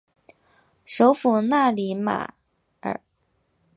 首府纳里扬马尔。